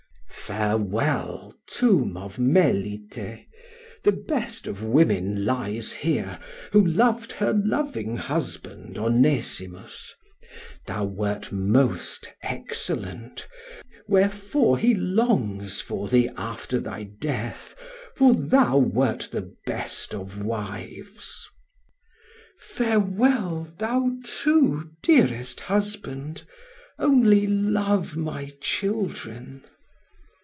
"Farewell, tomb of Melite; the best of women lies here, who loved her loving husband, Onesimus; thou wert most excellent, wherefore he longs for thee after thy death, for thou wert the best of wives. Farewell, thou too, dearest husband, only love my children."